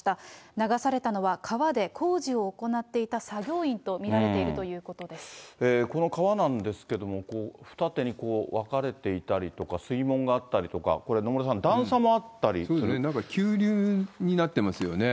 流されたのは川で工事を行っていた作業員と見られているというここの川なんですけども、二手に分かれていたりとか、水門があったりとか、これ、野村さん、なんか急流になってますよね。